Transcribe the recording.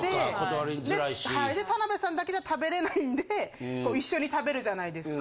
田辺さんだけじゃ食べれないんで一緒に食べるじゃないですか。